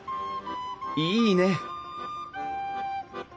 いいね！